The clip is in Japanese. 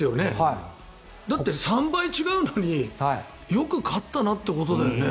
だって３倍違うのによく勝ったなってことだよね。